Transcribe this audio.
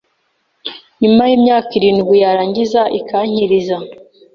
nyuma y’imyaka irindwi yarngiza ikankiriza